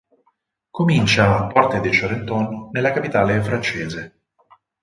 Comincia a Porte de Charenton nella capitale francese.